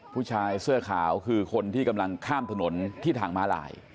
ผู้ชายเสื้อขาวคือคนที่กำลังข้ามถนนที่ทางม้าลาย